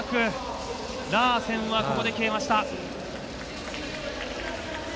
ラーセンはここで消えました。